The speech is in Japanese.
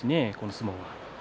相撲には。